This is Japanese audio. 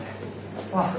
あっ。